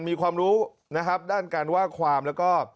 มีความรู้นะครับด้านการว่าความแล้วก็